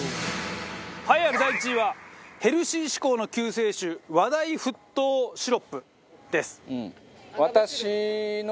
栄えある第１位はヘルシー志向の救世主話題沸騰シロップです。